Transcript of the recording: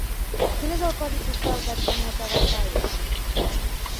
Quin és el codi postal d'Atzeneta d'Albaida?